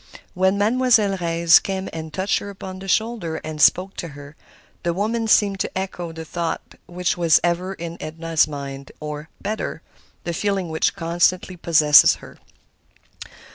When Mademoiselle Reisz came and touched her upon the shoulder and spoke to her, the woman seemed to echo the thought which was ever in Edna's mind; or, better, the feeling which constantly possessed her.